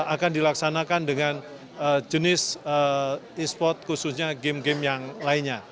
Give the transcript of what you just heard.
akan dilaksanakan dengan jenis e sport khususnya game game yang lainnya